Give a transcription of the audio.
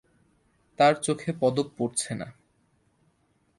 তাঁর চোখে পদক পড়ছে না।